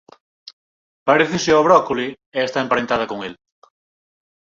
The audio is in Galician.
Parécese ó brócoli e está emparentada con el.